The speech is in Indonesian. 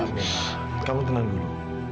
mila mila kamu tenang dulu